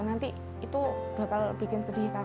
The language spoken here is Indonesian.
nanti itu bakal bikin sedih kak